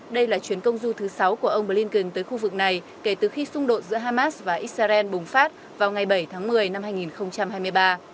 đây là chuyến công du thứ sáu của ông blinken tới khu vực này kể từ khi xung đột giữa hamas và israel bùng phát vào ngày bảy tháng một mươi năm hai nghìn hai mươi ba